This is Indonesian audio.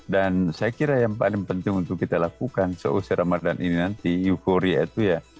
dan saya kira yang paling penting untuk kita lakukan seusai ramadan ini nanti euforia itu ya